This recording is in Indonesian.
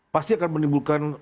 pasti akan menimbulkan